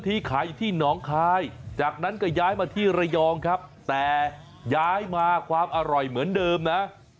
ที่ระยองครับแต่ย้ายมาความอร่อยเหมือนเดิมนะ